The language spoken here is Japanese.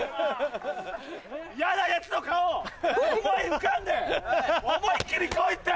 嫌なヤツの顔を思い浮かべて思いっきり来いって！